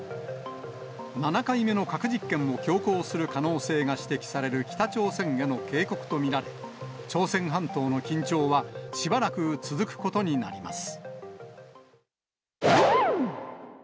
７回目の核実験を強行する可能性が指摘される北朝鮮への警告と見られ、朝鮮半島の緊張はしばらく続くことになります。